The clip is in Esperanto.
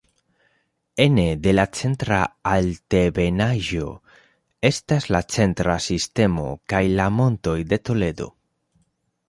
Ene de la Centra Altebenaĵo estas la Centra Sistemo kaj la Montoj de Toledo.